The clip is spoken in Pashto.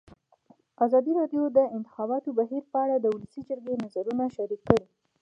ازادي راډیو د د انتخاباتو بهیر په اړه د ولسي جرګې نظرونه شریک کړي.